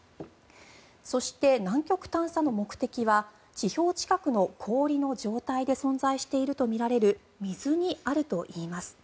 そして、南極探査の目的は地表近くの氷の状態で存在しているとみられる水にあるといいます。